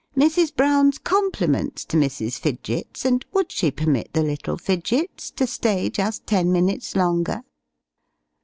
"Mrs. Brown's compliments to Mrs. Fidgets, and would she permit the little Fidgets to stay just ten minutes longer?"